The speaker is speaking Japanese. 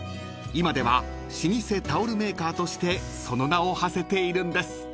［今では老舗タオルメーカーとしてその名をはせているんです］